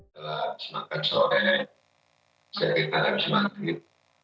kalau saya bisa mengambil alih ke depok